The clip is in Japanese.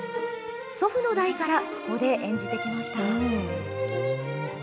祖父の代からここで演じてきました。